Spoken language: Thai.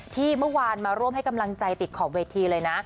ที่เมื่อวานมาร่วมให้กำลังใจติดขอบเวทีเลยนะ